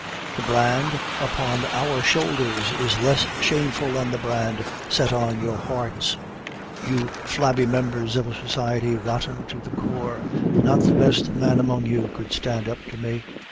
The brand upon our shoulders is less shameful than the brand set on your hearts, you flabby members of a society rotten to the core. Not the best man among you could stand up to me."